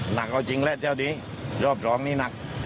หนักจริงแม้แถวนี้รอบสองนี้หนัก